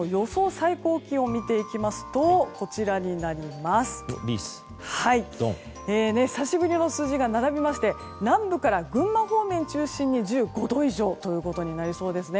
最高気温を見ていきますと久しぶりの数字が並びまして南部から群馬方面を中心に１５度以上となりそうですね。